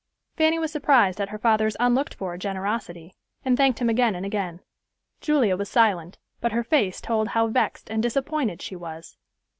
Fanny was surprised at her father's unlooked for generosity, and thanked him again and again. Julia was silent, but her face told how vexed and disappointed she was.